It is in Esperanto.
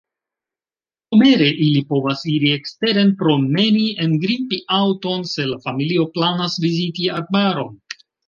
Somere ili povas iri eksteren promeni, engrimpi aŭton, se la familio planas viziti arbaron.